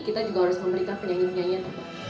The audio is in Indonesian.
kita juga harus memberikan penyanyi penyanyian